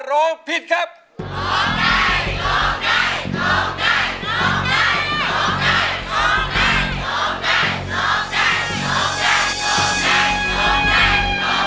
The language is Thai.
โกใจโกใจโกใจ